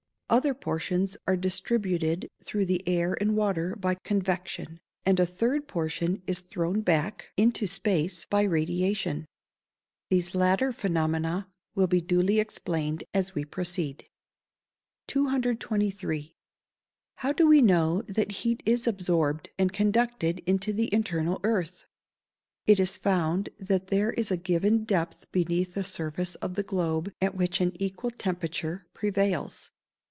Other portions are distributed through the air and water by convection, and a third portion is thrown back into space by radiation. These latter phenomena will be duly explained as we proceed. 223. How do we know that heat is absorbed, and conducted into the internal earth? It is found that there is a given depth beneath the surface of the globe at which an equal temperature prevails.